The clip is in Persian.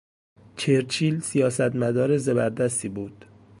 چرچیل سیاستمدار زبردستی بود.